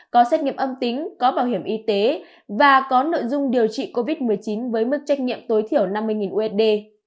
có xét nghiệm âm tính có bảo hiểm y tế và có nội dung điều trị covid một mươi chín với mức trách nhiệm tối thiểu năm mươi usd